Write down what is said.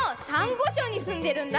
ごしょうにすんでるんだ。